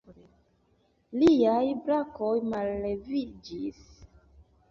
Liaj brakoj malleviĝis.